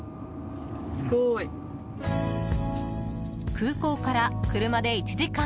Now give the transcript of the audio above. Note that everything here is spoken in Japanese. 空港から車で１時間。